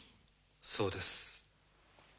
そうです。